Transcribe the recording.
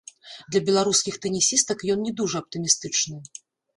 Для беларускіх тэнісістак ён не дужа аптымістычны.